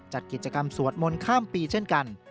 จัดกิจกรรมสวดมนต์ข้ามปีเช่นกัน